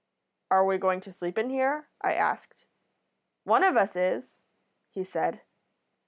"'Are we going to sleep in here?' I asked. "'One of us is,' he said.